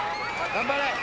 頑張れ！